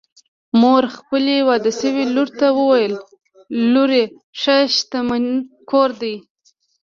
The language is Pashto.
مور خپلې واده شوې لور ته وویل: لورې! ښه شتمن کور دی